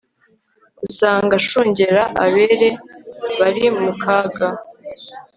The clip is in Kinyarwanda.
usanga ashungera abere bari mu kaga